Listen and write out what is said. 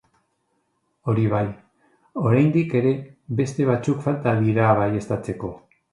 Hori bai, oraindik ere beste batzuk falta dira baieztatzeko.